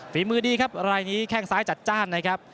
ฝีมือดีครับรายนี้แข้งซ้ายจัดจ้านนะครับ